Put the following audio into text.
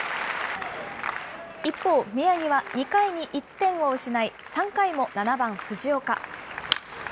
一方、宮城は２回に１点を失い、３回も７番藤岡。